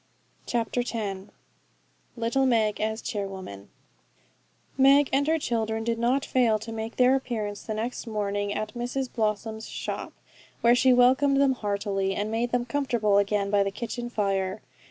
CHAPTER X Little Meg as Charwoman Meg and her children did not fail to make their appearance the next morning at Mrs Blossom's shop, where she welcomed them heartily, and made them comfortable again by the kitchen fire.